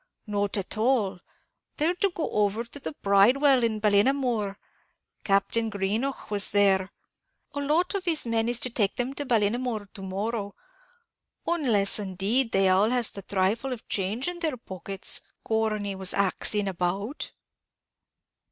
"Not at all; they're to go over to the Bridewell in Ballinamore. Captain Greenough was there. A lot of his men is to take them to Ballinamore to morrow; unless indeed, they all has the thrifle of change in their pockets, Corney was axing about."